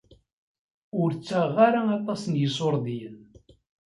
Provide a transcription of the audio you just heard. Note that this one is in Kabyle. Ur ttaɣeɣ ara aṭas n yiṣurdiyen.